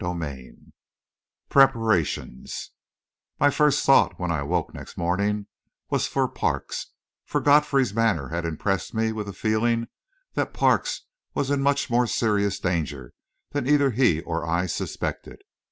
CHAPTER X PREPARATIONS My first thought, when I awoke next morning, was for Parks, for Godfrey's manner had impressed me with the feeling that Parks was in much more serious danger than either he or I suspected.